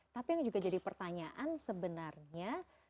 tapi yang juga jadi pertanyaan sebenarnya